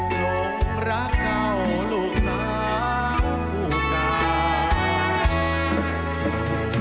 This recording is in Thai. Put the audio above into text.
ลงรักเธอลูกสาวผู้ตา